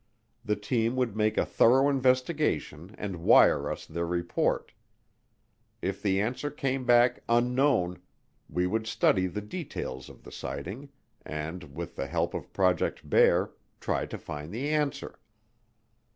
The team would make a thorough investigation and wire us their report. If the answer came back "Unknown," we would study the details of the sighting and, with the help of Project Bear, try to find the answer.